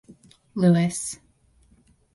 Lewis.